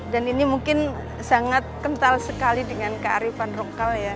dan ini mungkin sangat kental sekali dengan kearifan rongkal ya